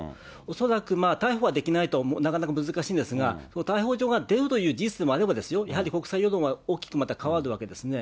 恐らく逮捕はできないと、なかなか難しいんですが、逮捕状が出るという事実でもあれば、やはり国際世論は大きくまた変わるわけですね。